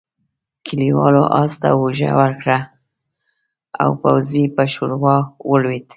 کليوالو آس ته اوږه ورکړه او پوځي پر ښوروا ولوېد.